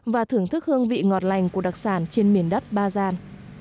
và thưởng thức hương vị ngọt lành của đặc sản trên miền đất ba gian